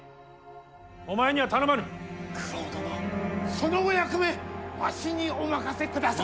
そのお役目わしにお任せください。